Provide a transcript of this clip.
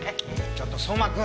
ちょっと相馬君！